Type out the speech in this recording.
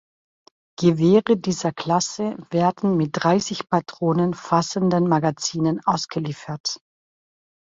Gewehre dieser Klasse werden mit dreißig Patronen fassenden Magazinen ausgeliefert.